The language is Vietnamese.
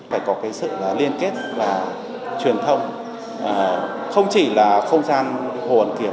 phải có sự liên kết và truyền thông không chỉ là không gian hồ hàn kiếm